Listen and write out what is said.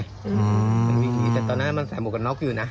อืมมันวิ่งอยู่แต่ตอนนั้นมันใส่หมวกกับน็อกอยู่นะ